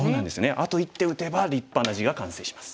あと１手打てば立派な地が完成します。